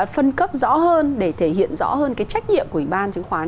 phân cấp rõ hơn để thể hiện rõ hơn cái trách nhiệm của ủy ban chứng khoán